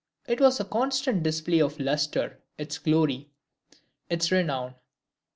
It was a constant display of its lustre, its glory, its renown.